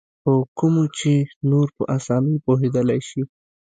په کومو چې نور په اسانۍ پوهېدلای شي.